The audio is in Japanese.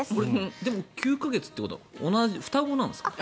でも、９か月ってことは双子なんですか？